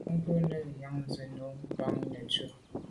Bwɔ́ŋkə́ʼ kɔ̌ nə̀ nyǎŋsá nú mbàŋ rə̌ nə̀tùp.